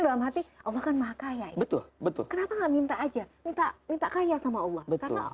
dalam hati allah kan maha kaya betul betul kenapa enggak minta aja minta minta kaya sama allah karena